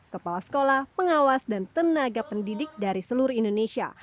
kepala sekolah pengawas dan tenaga pendidik dari seluruh indonesia